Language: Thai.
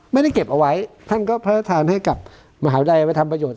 ไม่ได้เก็บเอาไว้ท่านก็พระราชทานให้กับมหาวิทยาลัยไปทำประโยชน